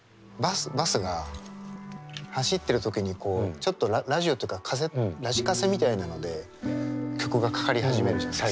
バスが走ってる時にこうちょっとラジオとかカセットラジカセみたいなので曲がかかり始めるじゃない。